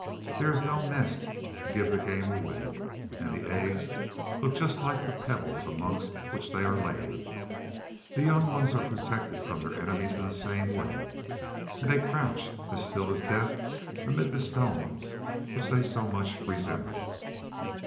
There is no nest to "give the game away"; and the eggs look just like the pebbles amongst which they are laid. The young ones are protected from their enemies in the same way, and they crouch, as still as death, amid the stones which they so much resemble.